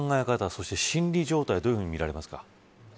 そして、心理状態どういうふうに見られますか。